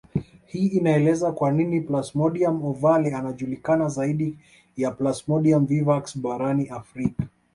Hii inaeleza kwa nini Plasmodium ovale anajulikana zaidi ya Plasmodium vivax barani Afrika